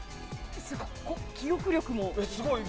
記憶力も。